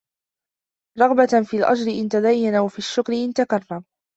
رَغْبَةً فِي الْأَجْرِ إنْ تَدَيَّنَ وَفِي الشُّكْرِ إنْ تَكَرَّمَ